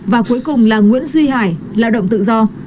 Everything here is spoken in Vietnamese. và cuối cùng là nguyễn duy hải lao động tự do